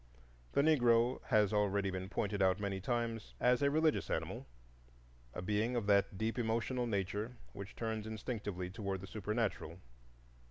The Negro has already been pointed out many times as a religious animal,—a being of that deep emotional nature which turns instinctively toward the supernatural.